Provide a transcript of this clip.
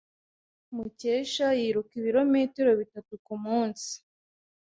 Mukesha yiruka ibirometero bitatu kumunsi.